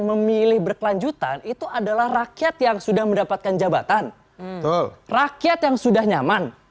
memilih berkelanjutan itu adalah rakyat yang sudah mendapatkan jabatan betul rakyat yang sudah nyaman